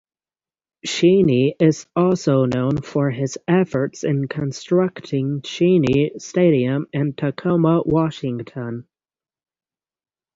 Cheney is also known for his efforts in constructing Cheney Stadium in Tacoma, Washington.